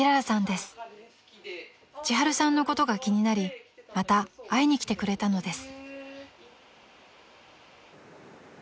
［ちはるさんのことが気になりまた会いに来てくれたのです］